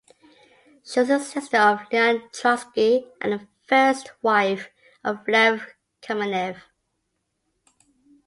She was the sister of Leon Trotsky and the first wife of Lev Kamenev.